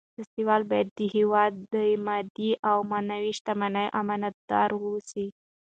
سیاستوال باید د هېواد د مادي او معنوي شتمنیو امانتدار اوسي.